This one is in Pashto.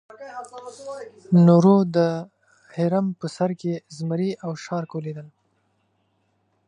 نورو د هرم په سر کې زمري او شارک ولیدل.